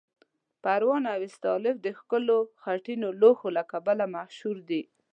پروان او استالف د ښکلو خټینو لوښو له کبله مشهور دي.